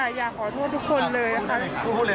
ค่ะอยากขอโทษทุกคนเลยครับ